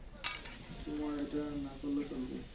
তোমার এটা না করলেও চলবে।